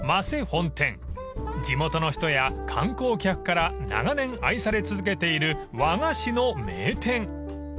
［地元の人や観光客から長年愛され続けている和菓子の名店］